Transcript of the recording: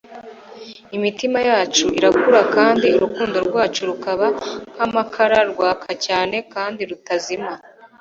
imitima yacu irakura kandi urukundo rwacu rukaba nk'amakara, rwaka cyane kandi rutazima. ”